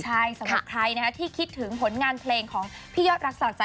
ใช่สำหรับใครที่คิดถึงผลงานเพลงของพี่ยอดรักสลักใจ